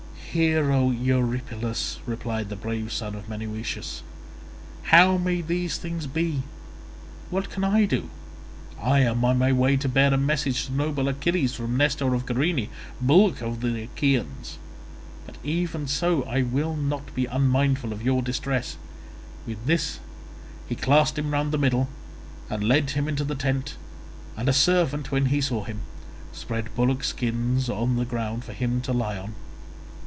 "Hero Eurypylus," replied the brave son of Menoetius, "how may these things be? What can I do? I am on my way to bear a message to noble Achilles from Nestor of Gerene, bulwark of the Achaeans, but even so I will not be unmindful of your distress." With this he clasped him round the middle and led him into the tent, and a servant, when he saw him, spread bullock skins on the ground for him to lie on.